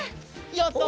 やった。